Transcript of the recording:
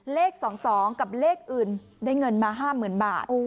เลข๒๒กับเลขอื่นได้เงินมา๕๐๐๐บาท